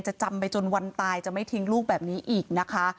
จะจำไปจนวันตายจะไม่ทิ้งลูกแบบนี้อีกนะคะ